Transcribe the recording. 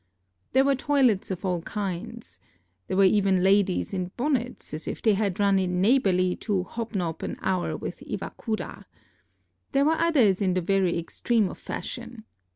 There were toilets of all kinds. There were even ladies in bonnets, as if they had run in neighborly to hobnob an hour with Iwakura. There were others in the very extreme of fashion.